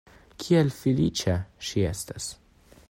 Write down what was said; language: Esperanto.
Kiel feliĉa ŝi estas!